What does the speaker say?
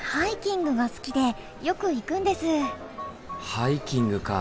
ハイキングか。